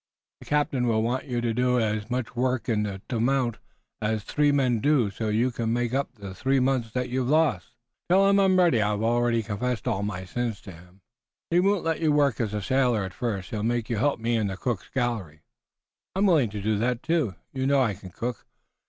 The captain will want you to do as much work in t'ree mont' as t'ree men do, so you can make up the t'ree mont' you have lost." "Tell him I'm ready. I've already confessed all my sins to him." "He won't let you work as sailor at first. He make you help me in the cook's galley." "I'm willing to do that too. You know I can cook.